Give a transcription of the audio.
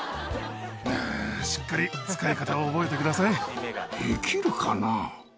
しっかり使い方を覚えてくだできるかな。